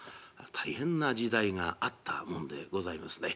大変な時代があったもんでございますね。